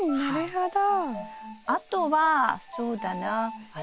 あとはそうだなあ